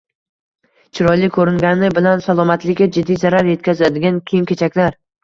Chiroyli ko‘ringani bilan salomatlikka jiddiy zarar yetkazadigan kiyim-kechaklar